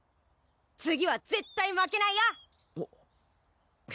次は絶対負けないよ！